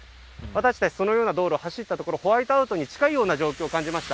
私たち、そのような道路を走ったところホワイトアウトに近いような状況を感じました。